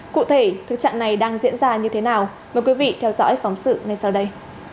cụ thể thực trạng này đang diễn ra như thế nào mời quý vị theo dõi phóng sự ngay sau đây